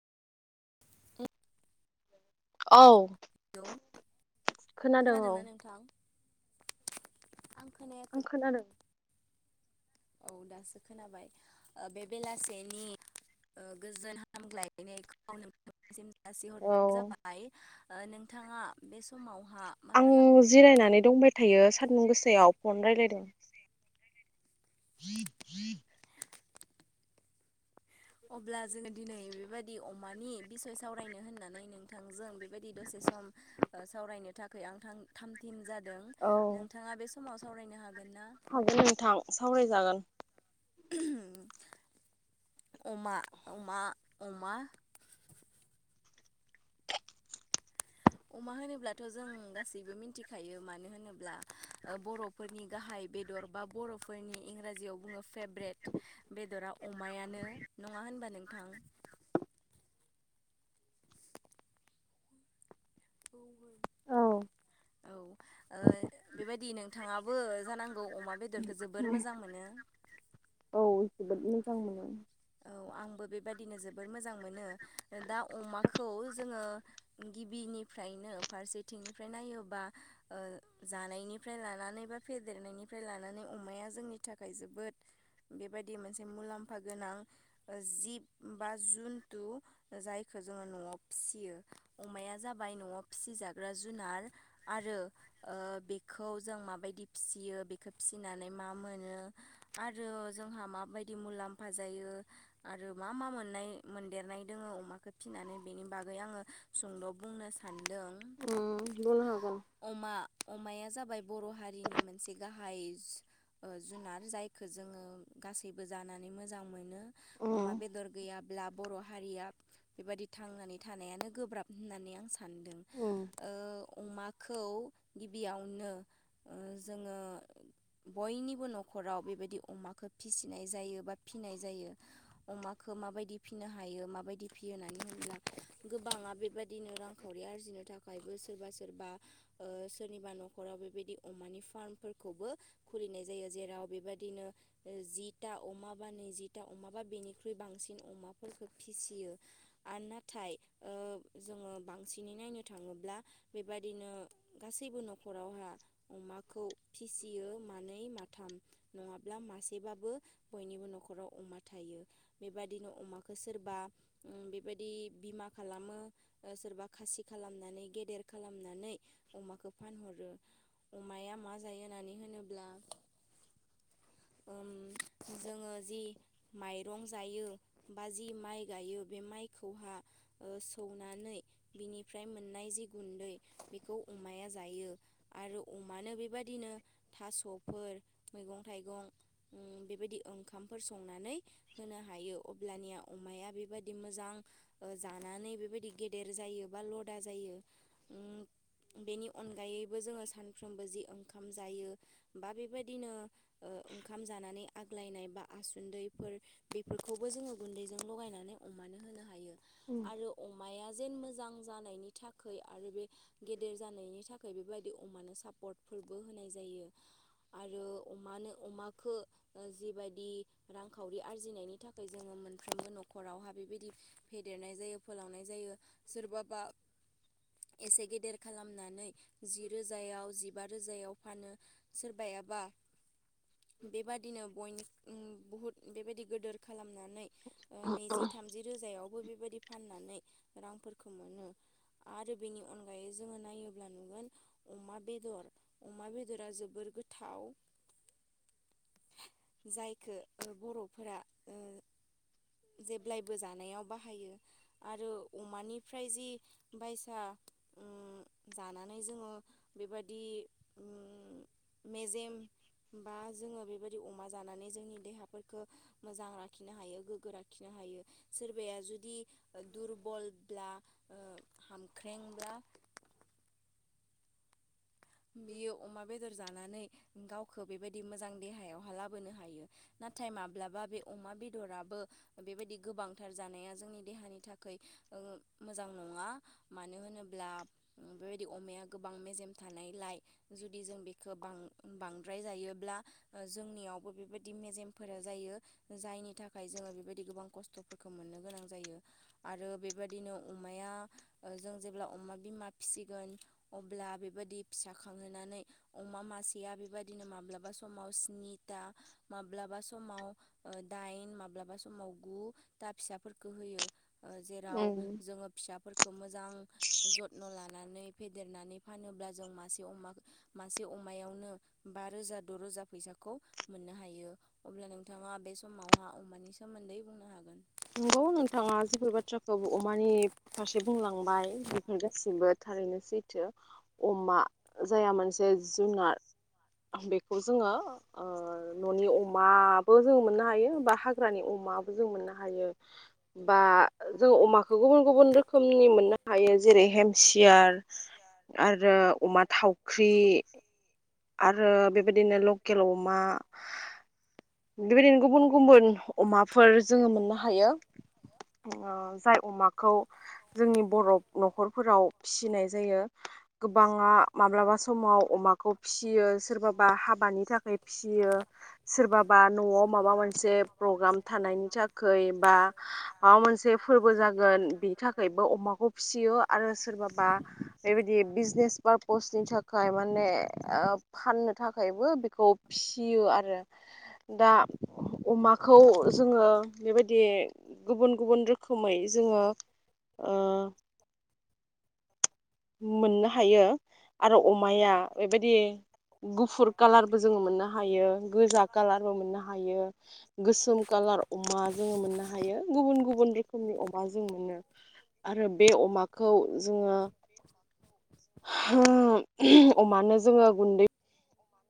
औ लौ खोनादों औ खोनादोंना नोंथां? आं आं खोनायाखै खोनादों औ दासो खोनाबाय बे बेलासेनि ओ गोजोन हामग्लायनायखौ नोंथां निसिम जासिहरनाय औ जाबाय ओ नोंथाङा बे समावहा मा आं खालामदों जिरायनानै दंबाय थायो सानदुं गोसायाव फन रायलायदों। जि जिद [inaudible] अब्ला जोङो दिनै बेबादि अमानि बिसय सावरायनो होननानै नोंथांजों बेबायदि दसे सम सावरायनो थाखाय आं थां थामथिम जा दों औ नोंथाङा बे समाव सावरायनो हा हागोन नोंथां सावरायजागोन। [inaudible] अमा अमा अमा अमा होनोब्लाथ' जों गासैबो मिथिखायो मानो होनोब्ला बर'फोरनि गाहाय बेदर बा बर'फोरनि इंराजियाव बुङो फेभ्रेट बेदरा अमायानो नङा होनबा नोंथां।? [inaudible] औ औ ओ बेबायदि नोंथाङाबो जानांगौ अमा बेदरखौ जोबोर मोजां मोनो। औ मोजां मोनो। औ आंबो बेबायदिनो जोबोर मोजां मोनो दा अमाखौ जोङो गिबिनिफ्रायनो फारसेथिंनिफ्राय नायोबा ओ जानायनिफ्राय लानानै लानानै बा फेदेरनायनिफ्राय लानानै अमाया जोंनि थाखाय जोबोद बेबायदि मोनसे मुलाम्फा गोनां। जिब बा जुनतु जायखौ जोङो न'वाव फिसियो अमाया जा बाय न'वाव फिसिजाग्रा जुनार आरो ओ बेखौ जों माबायदि फिसियो बेखौ फिसिनानै मा मोनो आरो जोंहा माबायदि मुलाम्फा जायो आरो मा मा मोननाय मोनदेरनाय दोङो अमाखौ फिनानै बेनि बागै आङो सुंद' बुंनो सानदों उम बुंनो हागोन। अमा अमाया जाबाय बर' हारिनि मोनसे गाहाय जु जुनार जायखौ जोङो गासैबो जानानै मोजां मोनो। उम अमा बेदर गैयाब्ला बर' हारिया बेबादि थांनानै थानायानो गोब्राब होननानै आं सा दों उम ओ अमाखौ गिबियावनो जोङो बयनिबो न' खराव बेबायदि अमाखौ फिसिनाय जायो बा फिनाय जायो। अमाखौ माबायदि फिनो हायो माबायदि फियो होननानै होनोब्ला गोबाङा बेबायदिनो रांखावरि आरजिनो थाखायबो सोरबा सोरबा ओ सोरनिबा न'खराव बेबायदि अमानि फार्मफोरखौबो खुलिनाय जायो जेराव बेबायदिनो जिता अमा बा नैजता अमा बा बेनि ख्रुइ बांसिन अमाफोरखौ फिसियो आरो नाथाय ओ जोङो बांसिनै नायनो थाङोब्ला बेबायदिनो गासैबो न'खरावहा अमाखौ फिसियो मानै माथाम नङाब्ला मासेबाबो बयनिबो न'खराव अमा थायो। बेबादिनो अमाखौ सोरबा बेबायदि बिमा खालामो सोरबा खासि खालामनानै गेदेर खालामनानै अमाखौ फानहरो। अमाया मा जायो होननानै होनोब्ला ओम जोङो जि माइरं जायो बा जि माइ गायो बे माइखौहा ओ सौनानै बिनि फ्राय मोननाय जि गुन्दै बेखौ अमाया जायो आरो अमानो बेबादिनो थास'फोर मैगं थाइगं बेबायदि ओंखामफोर संनानै होनो हायो अब्लानिया अमाया बेबायदि मोजां जानानै बेबायदि गेदेर जायो। बा लदा जायो बेनि अनगायैबो जोङो सानफ्रोमबो जि ओंखाम जायो बा बेबायदिनो ओंखाम जानानै आग्लायनाय बा आसन्दैफोर बेफोरखौबो जोङो गुन्दैजों लगायनानै अमानो होनो हायो आरो अमाया जेन मोजां जानायनि थाखाय आरो बे गेदेर जानायनि थाखाय बेबाय दि अमानो सापर्टफोरबो होनाय जायो आरो अमानो अमाखो जिबायदि रां खावरि आरजिनायनि थाखाय जोङो मोनफ्रोमबो न'खरावहा बेबायदि फेदेरनाय जायो फोलावनाय जायो। सोरबाबा [inaudible] एसे गेदेर खालामनानै जि रोजायाव जिबा रोजायाव फानो सोरबायाबा बेबादिनो बय बुहुद बेबायदि गोदोर खालामनानै नैजि थामजि रोजायावबो बेबाय दि फाननानै रांफोरखौ मोनो आरो बेनि अनगायै जोङो नायोब्ला नुगोन अमा बेदर अमा बेदरा जोबोर गोथाव [inaudible] जायखो बर'फोरा ओ जेब्लायबो जानायाव बाहायो आरो अमानिफ्राय जि बायसा उम जानानै जोङो बेबादि उम मेजेम बा जोङो बेबायदि अमा जानानै जोंनि देहाफोरखौ मोजां लाखिनो हायो गोग्गो ला लाखिनो हायो। सोरबाया जुदि दुरबलब्ला ओ हामख्रेंब्ला [inaudible] बियो अमा बेदर जानो नानै गावखो बेबादि मोजां देहायाव लाबोनो‌ हायो नाथाय माब्लाबा बे अमा बेद राबो बेबायदि गोबांथार जानाया जोंनि देहानि थाखाय ओ मोजां नङा। मानो होनोब्ला बेबायदि अमाया गोबां मेजेम थानाय लाइ जुदि जों बेखौ बां बांद्राय जायोब्ला जोंनियावबो बेबायदि मेजेम फोर जायो जायनि थाखाय जोङो बेबायदि गोबां खस्थ'फोरखौ मोननो गोनां जायो आरो बे बेबायदिनो अमाया जों जेब्ला अमा बिमा फिसिगोन अब्ला बेबायदि फिसा खांहोनानै अमा मासेया बेबायदिनो माब्लाबा समाव स्निथा माब्लाबा माब्लाबा समाव दाइन माब्लाबा समाव गु दा फिसाफोरखौ होयो‌। जेराव उम जोङो फिसाफोर खौ मोजां जथन' लानानै फेदेरनानै फानोब्ला जों मासे अमा मासे अमायावनो बा रोजा द'रोजा फैसाखौ मोननो हायो। अब्ला नोंथाङा बे समावहा अमानि सोमोन्दै बुंनो हागोन नंगौ नोंथाङा जिफोर बाथ्राखौ अमानि फारसे बुंलांबाय बेफोर गासिबो थारैनो सैथो अमा जाया मोनसे जुनार बेखौ जोङो ओ न'नि अमाबो जोङो मोननो हायो हा हाग्रानि अमा। अमाबो जों मोन हायो बा जों अमाखौ गुबुन गुबुन रोखोमनि मोननो हायो जेरै हेमसि यार आरो अमा थावख्रि। आरो बेबायदिनो लकेल अमा बेबायदिनो गुबुन गुबुन अमाफोर जोङो मोननो हायो। जाय अमाखौ जोंनि बर' न'खरफोराव फिसिनाय जायो। गोबाङा माब्लाबा समाव अमाखौ फिसियो सोरबाबा हाबानि थाखाय फिसियो सोरबा न'आव माबा मोनसे प्रग्राम थानायनि थाखाय बा माबा मोनसे फोरबो जागोन बिनि थाखायबो अमाखौ फिसियो आरो सोरबाबा बेबायदि बिजनेस पारपसनि थाखाय माने ओ फाननो थाखायबो बेखौ फियो आरो। दा अमाखौ जोङो बेबायदि गुबुन-गुबुन रोखोमै जोङो ओ। मोननो हायो आरो अमाया बेबायदि गुफुर कालारबो जोङो मोननो हायो गोजा कालारबो मोननो हायो गोसोम कालार अमा जोङो मोननो हायो। गुबुन गुबुन रोखोमनि अमा जों मोनो आरो बे अमाखौ जोङो अमानो जोङो गुन्दै